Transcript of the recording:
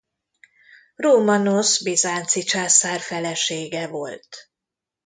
Rómanosz bizánci császár felesége volt.